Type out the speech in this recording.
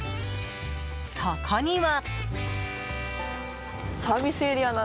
そこには。